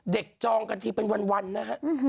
จองกันทีเป็นวันนะฮะ